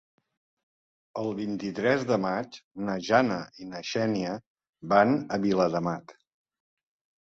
El vint-i-tres de maig na Jana i na Xènia van a Viladamat.